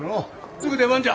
すぐ出番じゃ。